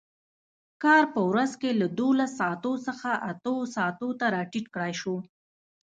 کار په ورځ کې له دولس ساعتو څخه اتو ساعتو ته راټیټ کړای شو.